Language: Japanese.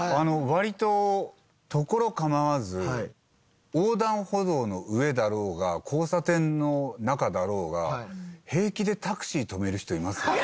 割と所構わず横断歩道の上だろうが交差点の中だろうが平気でタクシー止める人いますよね。